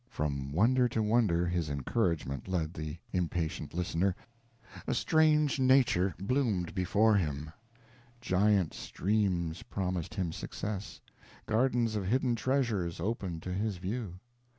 From wonder to wonder, his encouragement led the impatient listener. A strange nature bloomed before him giant streams promised him success gardens of hidden treasures opened to his view.